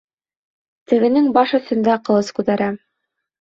Тегенең баш өҫтөндә ҡылыс күтәрә.